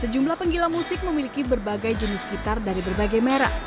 sejumlah penggila musik memiliki berbagai jenis gitar dari berbagai merek